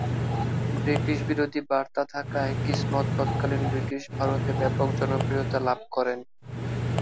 British বিরোধী বার্তা থাকায় কিসমত তৎকালীন ব্রিটিশ ভারতে ব্যাপক জনপ্রিয়তা লাভ করে।